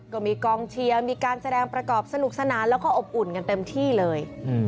ก็มีกองเชียร์มีการแสดงประกอบสนุกสนานแล้วก็อบอุ่นกันเต็มที่เลย